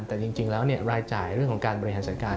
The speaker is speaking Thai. แต่จริงแล้วรายจ่ายเรื่องของการบริหารจัดการ